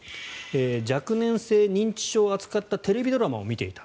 若年性認知症を扱ったテレビドラマを見ていた。